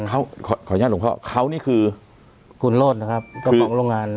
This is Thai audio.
ขออนุญาตหลวงพ่อเขานี่คือคุณโลศนะครับก็บอกโรงงาน